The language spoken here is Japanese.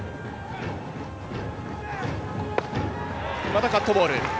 またカットボール。